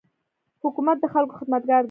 حکومت د خلکو خدمتګار دی.